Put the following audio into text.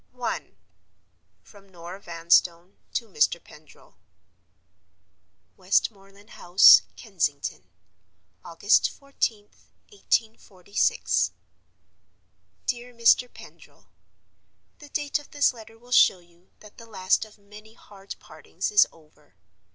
I. From Norah Vanstone to Mr. Pendril. "Westmoreland House, Kensington, "August 14th, 1846. "DEAR MR. PENDRIL,— "The date of this letter will show you that the last of many hard partings is over.